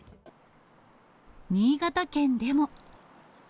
新潟県でも。